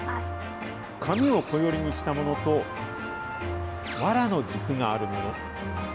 紙をこよりにしたものと、わらの軸があるもの。